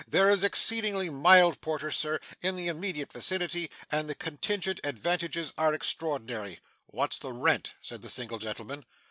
There is exceedingly mild porter, sir, in the immediate vicinity, and the contingent advantages are extraordinary.' 'What's the rent?' said the single gentleman.